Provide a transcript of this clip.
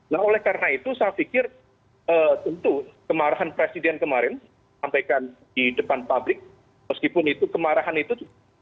nah oleh karena itu saya pikir tentu kemarahan presiden kemarin sampaikan di depan publik meskipun itu kemarahan itu